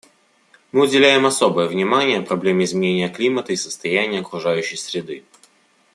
Мы уделяем особое внимание проблеме изменения климата и состояния окружающей среды.